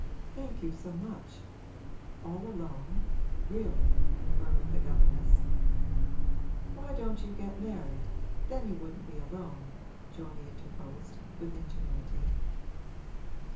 'Thank you so much. All alone, really?' murmured the governess. 'Why don't you get married? then you wouldn't be alone,' Geordie interposed, with ingenuity.